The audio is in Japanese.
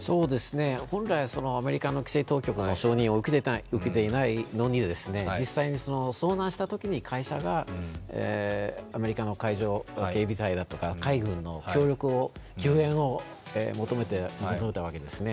本来アメリカの規制当局の承認を得ていないのに実際に遭難したときに会社がアメリカの海上警備隊だとか海軍の協力を、救援を求めたわけですね。